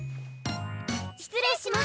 失礼します。